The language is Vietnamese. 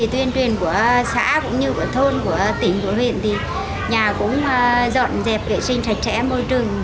tuyên truyền của xã cũng như của thôn của tỉnh của huyện thì nhà cũng dọn dẹp vệ sinh sạch sẽ môi trường